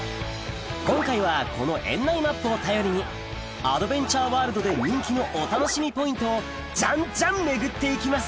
今回はこの園内ＭＡＰを頼りにアドベンチャーワールドで人気のお楽しみポイントをじゃんじゃん巡って行きます